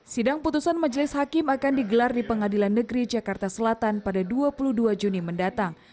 sidang putusan majelis hakim akan digelar di pengadilan negeri jakarta selatan pada dua puluh dua juni mendatang